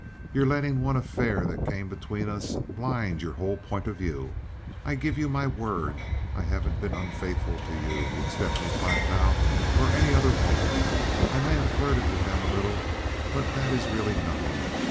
"You're letting one affair that came between us blind your whole point of view. I give you my word I haven't been unfaithful to you with Stephanie Platow or any other woman. I may have flirted with them a little, but that is really nothing.